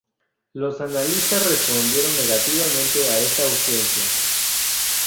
Los analistas respondieron negativamente a esta ausencia.